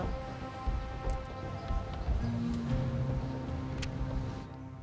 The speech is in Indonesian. padahal ya kang